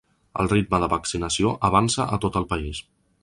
El ritme de vaccinació avança a tot el país.